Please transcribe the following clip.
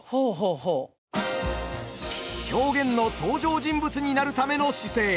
狂言の登場人物になるための姿勢